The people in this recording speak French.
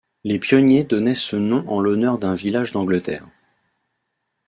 Les pionniers donnaient ce nom en l'honneur d'un village d'Angleterre.